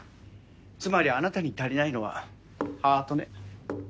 つまりあなたに足りないのはハートね。